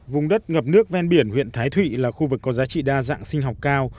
vùng đất ngập nước ven biển huyện thái thụy là khu vực có giá trị đa dạng sinh học cao